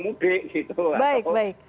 mudik gitu baik baik